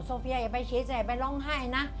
เฟียอย่าไปเสียใจไปร้องไห้นะ